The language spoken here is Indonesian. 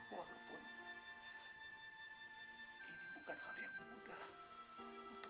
walaupun ini bukan hal yang mudah